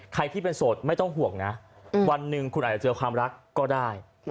ใครที่เป็นโสดไม่ต้องห่วงนะวันหนึ่งคุณอาจจะเจอความรักก็ได้